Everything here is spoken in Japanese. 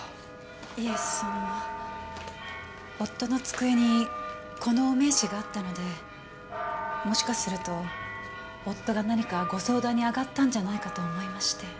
いえその夫の机にこのお名刺があったのでもしかすると夫が何かご相談に上がったんじゃないかと思いまして。